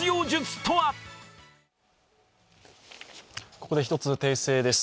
ここで１つ訂正です。